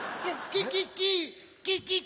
キキキッ！